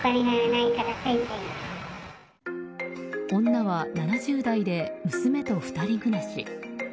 女は７０代で娘と２人暮らし。